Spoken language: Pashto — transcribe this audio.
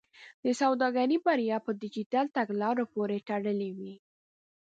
د سوداګرۍ بریا به د ډیجیټل تګلارې پورې تړلې وي.